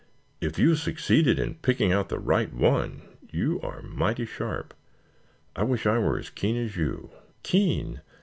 If you succeeded in picking out the right one you are mighty sharp. I wish I were as keen as you." "Keen?